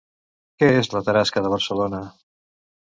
Què és la Tarasca de Barcelona?